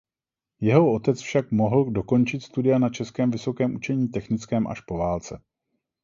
Jeho otec však mohl dokončit studia na Českém vysokém učení technickém až po válce.